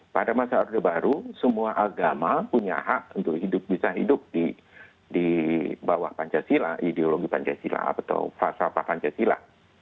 pada masa orde baru semua agama punya hak untuk hidup bisa hidup di bawah pancasila ideologi pancasila atau falsafah pancasila